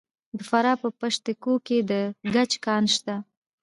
د فراه په پشت کوه کې د ګچ کان شته.